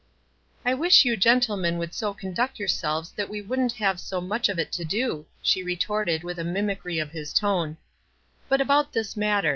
"I wish you gentlemen would so conduct yourselves that we wouldn't have so much of it to do," she retorted, with a mimicry of his tone. "But about this matter.